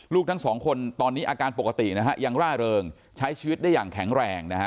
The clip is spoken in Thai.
ทั้งสองคนตอนนี้อาการปกตินะฮะยังร่าเริงใช้ชีวิตได้อย่างแข็งแรงนะฮะ